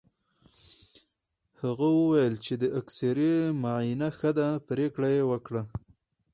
هغه وویل چې د اېکسرې معاینه ښه ده، پرېکړه یې وکړه.